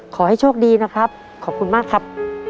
ขอให้โชคดีนะครับขอบคุณมากครับ